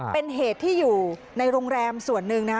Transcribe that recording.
เป็นเหตุที่อยู่ในโรงแรมส่วนหนึ่งนะ